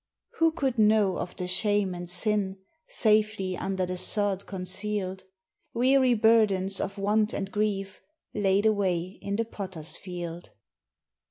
Who could know of the shame and sin Safely under the sod concealed? Weary burdens of want and grief, Laid away in the Potter's Field.